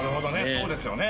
そうですよね